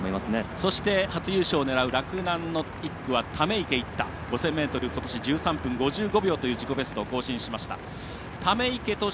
そして初優勝を狙う洛南の１区は溜池一太、５０００ｍで１３分５５秒という自己ベストを更新しました。